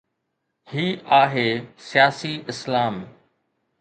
هي آهي ’سياسي اسلام‘.